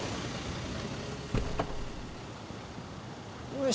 よし。